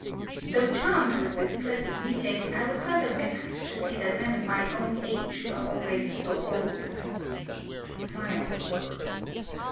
Though charmed with this plea sant meeting, I was rather vexed to see that men of my own age were abeady so old. (Smiles.)